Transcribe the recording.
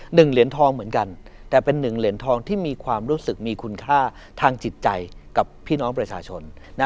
หนึ่งเหรียญทองเหมือนกันแต่เป็นหนึ่งเหรียญทองที่มีความรู้สึกมีคุณค่าทางจิตใจกับพี่น้องประชาชน